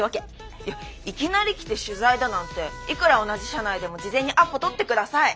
いやいきなり来て取材だなんていくら同じ社内でも事前にアポ取って下さい。